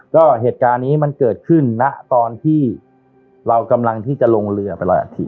ก็เหตุการณ์นี้มันเกิดขึ้นนะตอนที่เรากำลังที่จะลงเรือไปลอยอัฐิ